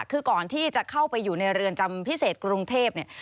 คือก่อนที่จะเข้าไปอยู่ในเรือนจำพิเศษกรุงเทพเนี่ย